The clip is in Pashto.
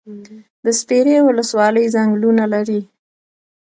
د سپیرې ولسوالۍ ځنګلونه لري